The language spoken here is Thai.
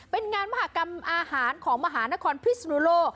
เป็นงานมหากรรมอาหารของมหานครพิศนุโลก